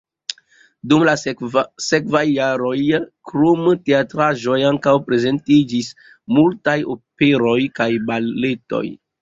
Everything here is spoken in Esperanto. Dum la sekvaj jaroj krom teatraĵoj ankaŭ prezentiĝis multaj operoj kaj baletoj.